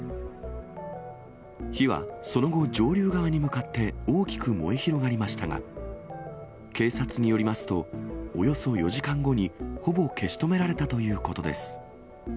火はその後、上流側に向かって、大きく燃え広がりましたが、警察によりますと、およそ４時間後に、ほぼ消し止められたということです。